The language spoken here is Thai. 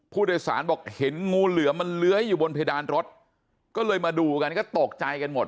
ผู้โดยสารบอกเห็นงูเหลือมันเลื้อยอยู่บนเพดานรถก็เลยมาดูกันก็ตกใจกันหมด